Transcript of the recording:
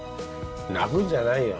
泣くんじゃないよ。